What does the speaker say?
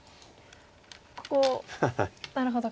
ここなるほど。